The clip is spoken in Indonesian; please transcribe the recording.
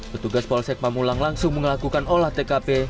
petugas polsek pamulang langsung melakukan olah tkp